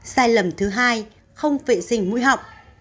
sai lầm thứ hai không vệ sinh mũi họng